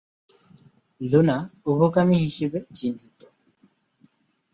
Luna উভকামী হিসেবে চিহ্নিত।